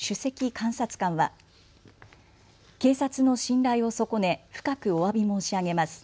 監察官は警察の信頼を損ね深くおわび申し上げます。